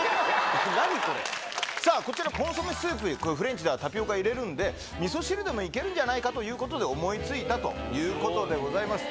さあ、こちらコンソメスープにはタピオカを入れるんで、みそ汁でもいけるんじゃないかということで思いついたということでございます。